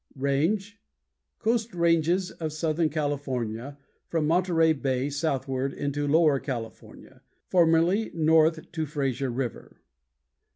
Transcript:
RANGE Coast ranges of southern California from Monterey Bay southward into Lower California; formerly north to Frazer River.